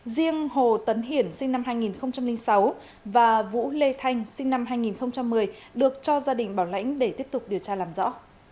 riêng hồ tấn hiển sinh năm hai nghìn sáu và vũ lê thanh sinh năm hai nghìn một mươi được cho gia đình bảo lãnh để tiếp tục điều tra làm rõ